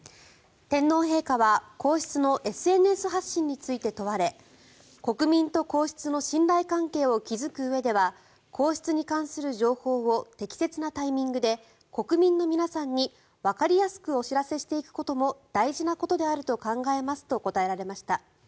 天皇陛下は皇室のＳＮＳ発信について問われ国民と皇室の信頼関係を築くうえでは皇室に関する情報を適切なタイミングで国民の皆さんにわかりやすくお知らせしていくことも大事なことであると考えますと答えられました。